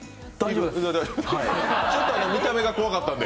ちょっと見た目が怖かったんで。